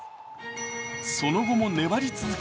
その後も粘り続け